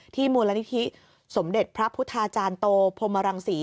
มูลนิธิสมเด็จพระพุทธาจารย์โตพรมรังศรี